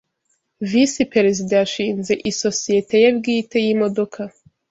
visi perezida yashinze isosiyete ye bwite yimodoka